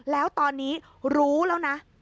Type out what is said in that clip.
แล้วตอนนี้รู้แล้วนะ